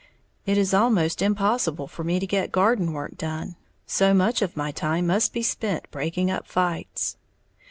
It is almost impossible for me to get garden work done, so much of my time must be spent breaking up fights.